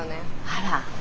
あら。